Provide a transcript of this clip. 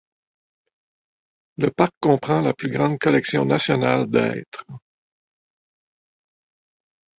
Le parc comprend la plus grande collection nationale de hêtres.